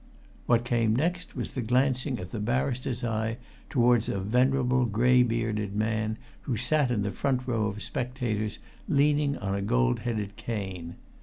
What came next was the glancing of the barrister's eye towards a venerable, grey bearded man who sat in the front row of spectators, leaning on a gold headed cane.